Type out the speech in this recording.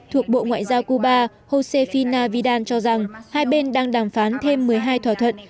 thuộc bộ ngoại giao cuba josephinavidan cho rằng hai bên đang đàm phán thêm một mươi hai thỏa thuận